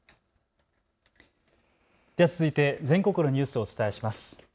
続いて全国のニュースをお伝えします。